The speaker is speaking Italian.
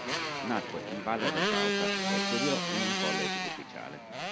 Nacque in Valle del Cauca e studiò in un college ufficiale.